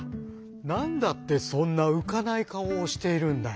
なんだってそんなうかないかおをしているんだい？」。